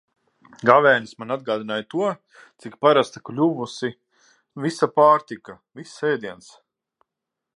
Gavēnis man atgādināja to, cik parasta ir kļuvusi visa pārtika, viss ēdiens.